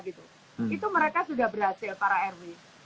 itu mereka sudah berhasil para rw